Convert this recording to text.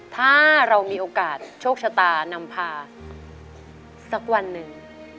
ถ้าเรามีโอกาสโชคชะตานำพาสักวันหนึ่ง